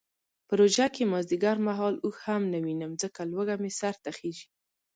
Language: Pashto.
په روژه کې مازدیګر مهال اوښ هم نه وینم ځکه لوږه مې سرته خیژي.